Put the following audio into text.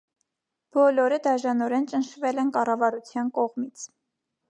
Բոլորը դաժանորեն ճնշվել են կառավարության կողմից։